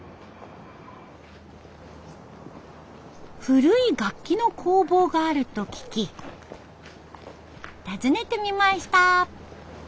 古い楽器の工房があると聞き訪ねてみました。